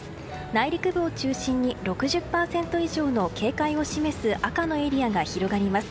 内陸部を中心に６０％以上の警戒を示す赤のエリアが広がります。